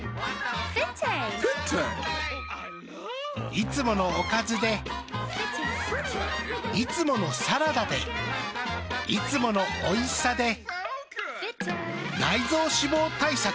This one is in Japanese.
いつものおかずでいつものサラダでいつものおいしさで内臓脂肪対策。